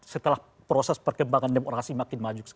setelah proses perkembangan demokrasi makin maju